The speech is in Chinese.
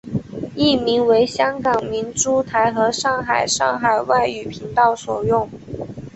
译名为香港明珠台和上海上海外语频道所用。